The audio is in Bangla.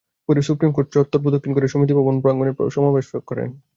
পরে সুপ্রিম কোর্ট চত্বর প্রদক্ষিণ করে সমিতি ভবন প্রাঙ্গণে সমাবেশ করেন।